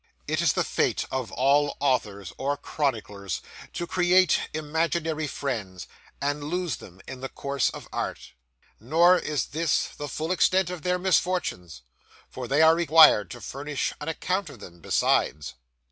It is the fate of all authors or chroniclers to create imaginary friends, and lose them in the course of art. Nor is this the full extent of their misfortunes; for they are required to furnish an account of them besides.